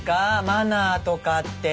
マナーとかって。